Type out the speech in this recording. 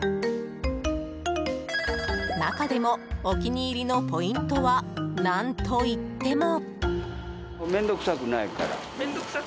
中でもお気に入りのポイントは何といっても。